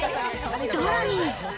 さらに。